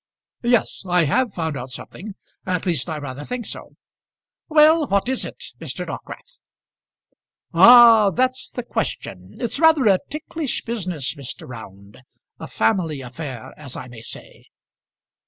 "Yes; I have found out something. At least, I rather think so." "Well, what is, it, Mr. Dockwrath?" "Ah! that's the question. It's rather a ticklish business, Mr. Round; a family affair, as I may say."